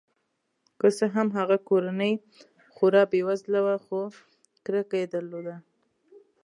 که څه هم هغه کورنۍ خورا بې وزله وه خو کرکه یې درلوده.